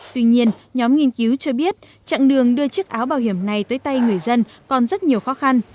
tuy nhiên nhóm nghiên cứu cho biết chặng đường đưa chiếc áo bảo hiểm này tới tay người dân còn rất nhiều khó khăn